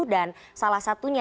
dan salah satunya